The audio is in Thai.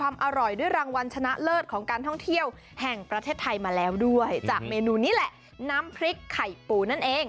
มันคือน้ำพริกไข่ปู